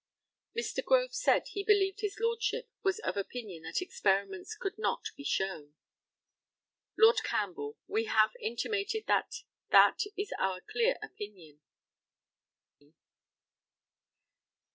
Mr. GROVE said he believed his Lordship was of opinion that experiments could not be shown. Lord CAMPBELL: We have intimated that that is our clear opinion.